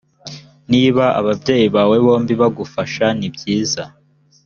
niba ababyeyi bawe bombi bagufasha ni byiza